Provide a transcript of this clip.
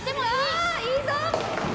ああいいぞ！